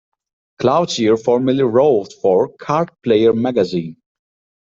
Cloutier formerly wrote for "Card Player" magazine.